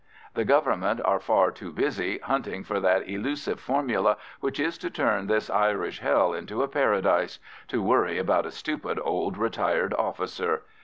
The Government are far too busy hunting for that elusive formula which is to turn this Irish hell into a paradise, to worry about a stupid old retired officer.